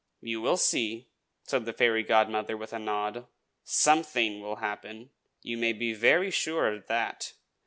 "You will see!" said the fairy godmother, with a nod. "Something will happen, you may be very sure of that.